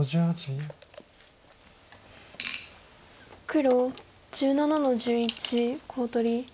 黒１７の十一コウ取り。